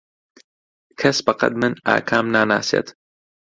کەس بەقەد من ئاکام ناناسێت.